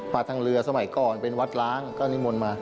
ทางเรือสมัยก่อนเป็นวัดล้างก็นิมนต์มา